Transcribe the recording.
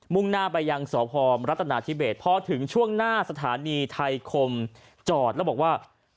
่งหน้าไปยังสพรัฐนาธิเบสพอถึงช่วงหน้าสถานีไทยคมจอดแล้วบอกว่า